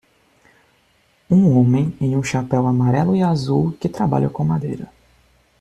Um homem em um chapéu amarelo e azul que trabalha com madeira.